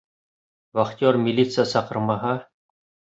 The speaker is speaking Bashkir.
Вахтер милиция саҡырмаһа.